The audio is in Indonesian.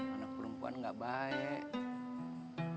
anak perempuan gak baik